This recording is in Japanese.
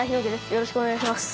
よろしくお願いします。